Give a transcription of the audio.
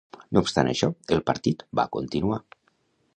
No obstant això, el partit va continuar.